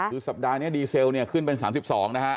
คือสัปดาห์นี้ดีเซลเนี่ยขึ้นเป็น๓๒นะฮะ